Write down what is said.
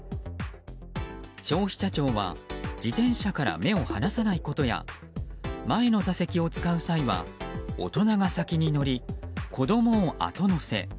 消費者庁は自転車から目を離さないことや前の座席を使う際は大人が先に乗り、子供をあと乗せ。